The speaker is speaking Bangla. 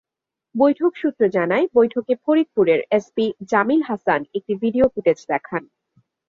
বৈঠক সূত্র জানায়, বৈঠকে ফরিদপুরের এসপি জামিল আহসান একটি ভিডিও ফুটেজ দেখান।